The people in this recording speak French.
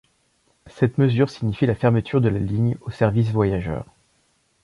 Cette mesure signifie la fermeture de la ligne au service voyageurs.